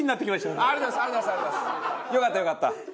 よかったよかった。